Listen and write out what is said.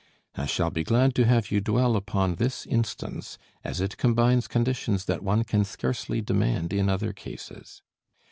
I shall be glad to have you dwell upon this instance, as it combines conditions that one can scarcely demand in other cases.